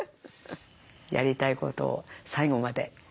やりたいことを最後まで。